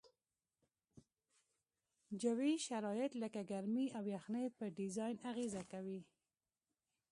جوي شرایط لکه ګرمي او یخنۍ په ډیزاین اغیزه کوي